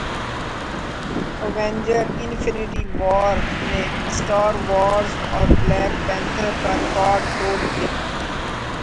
Avenger Infinity وارنے Star Wars اور Black Panther کاریکارڈ توڑدیا